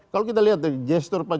kalau kita lihat deh gesture pak